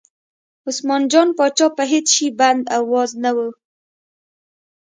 عثمان جان پاچا په هېڅ شي بند او واز نه و.